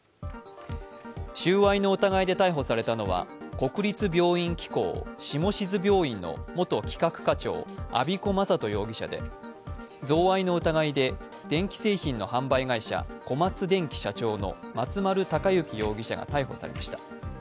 収賄の疑いで逮捕されたのは国立病院機構下志津病院の元企画課長、安彦昌人容疑者で贈賄の疑いで電気製品の販売会社、小松電器社長の松丸隆行容疑者が逮捕されました。